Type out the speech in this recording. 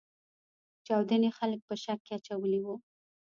چاودنې خلګ په شک کې اچولي وو.